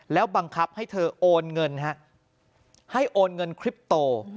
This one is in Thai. แล้วบังคับให้เธอโอนเงินให้โอนเงินคลิปโต